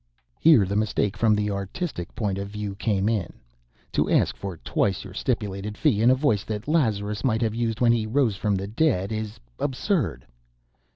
Here the mistake from the artistic point of view came in. To ask for twice your stipulated fee in a voice that Lazarus might have used when he rose from the dead, is absurd.